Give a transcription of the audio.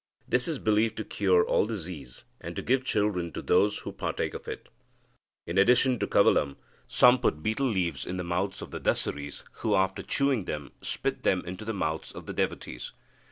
This is believed to cure all disease, and to give children to those who partake of it. In addition to kavalam, some put betel leaves in the mouths of the Dasaris, who, after chewing them, spit them into the mouths of the devotees.